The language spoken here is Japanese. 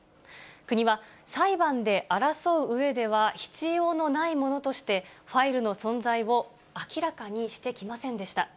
国は、裁判で争ううえでは必要のないものとして、ファイルの存在を明らかにしてきませんでした。